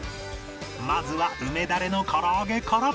まずは梅ダレの唐揚げから